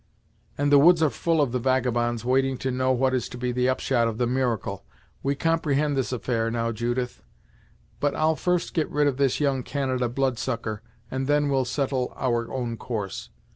"And the woods are full of the vagabonds, waiting to know what is to be the upshot of the miracle. We comprehend this affair, now, Judith, but I'll first get rid of this young Canada blood sucker, and then we'll settle our own course.